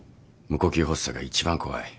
無呼吸発作が一番怖い。